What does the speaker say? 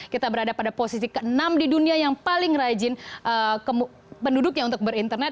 kita berada pada posisi ke enam di dunia yang paling rajin penduduknya untuk berinternet